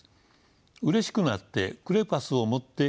うれしくなってクレパスを持ってきました。